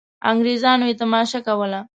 انګرېزانو یې تماشه کوله.